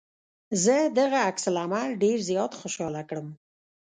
زه دغه عکس العمل ډېر زيات خوشحاله کړم.